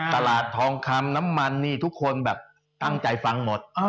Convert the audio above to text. ทองคำน้ำมันนี่ทุกคนแบบตั้งใจฟังหมด